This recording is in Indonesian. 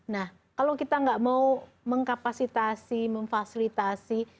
nah kalau kita nggak mau mengkapasitasi memfasilitasi